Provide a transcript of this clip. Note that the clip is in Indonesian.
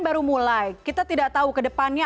baru mulai kita tidak tahu ke depannya